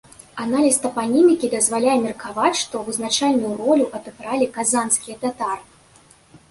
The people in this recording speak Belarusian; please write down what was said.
Аналіз тапанімікі дазваляе меркаваць, што вызначальную ролю адыгралі казанскія татары.